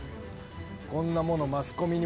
こんなものマスコミに